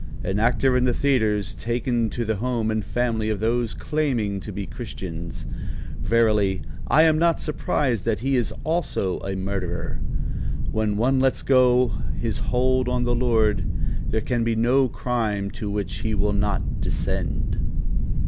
An actor in the theatres taken to the home and family of those claiming to be Christians. Verily, I am not surprised that he is also a murderer. When one lets go his hold on the Lord, there can be no crime to which he will not descend."